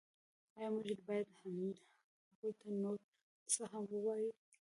ایا موږ باید هغوی ته نور څه هم ووایو